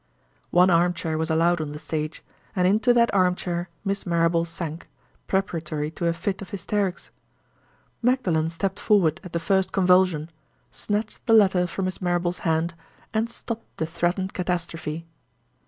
One arm chair was allowed on the stage; and into that arm chair Miss Marrable sank, preparatory to a fit of hysterics. Magdalen stepped forward at the first convulsion; snatched the letter from Miss Marrable's hand; and stopped the threatened catastrophe.